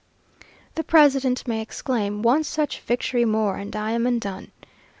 The president may exclaim, "One such victory more, and I am undone!"